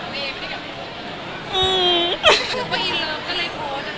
ไม่ได้ของเมย์